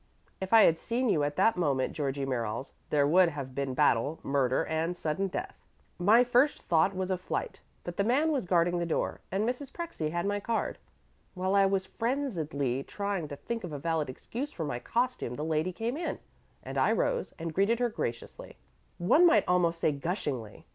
"If I had seen you at that moment, Georgie Merriles, there would have been battle, murder, and sudden death. My first thought was of flight; but the man was guarding the door, and Mrs. Prexy had my card. While I was frenziedly trying to think of a valid excuse for my costume the lady came in, and I rose and greeted her graciously, one might almost say gushingly.